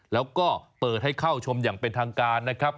แล้วก็เปิดให้เข้าชมอย่างเป็นทางการนะครับ